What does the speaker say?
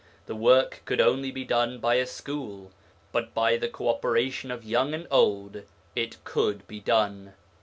The work could only be done by a school, but by the co operation of young and old it could be done.